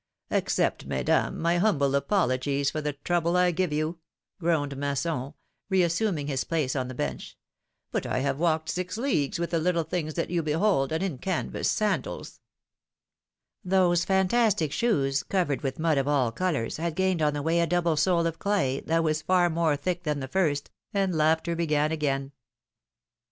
^^Accept, mesdames, my humble apologies for the trouble I give you,^^ groaned Masson, reassuming his place on the bench, but I have walked six leagues, with the little things that you behold, and in canvas sandals Those fantastic shoes, covered with mud of all colors, had gained on the way a double sole of clay, that was far more thick than the first, and laughter began again.